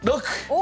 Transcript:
お！